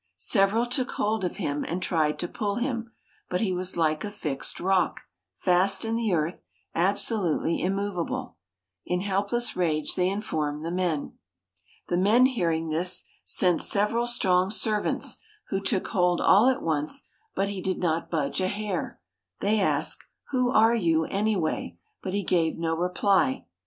Several took hold of him and tried to pull him, but he was like a fixed rock, fast in the earth, absolutely immovable. In helpless rage they informed the men. The men, hearing this, sent several strong servants, who took hold all at once, but he did not budge a hair. They asked, "Who are you, anyway?" but he gave no reply.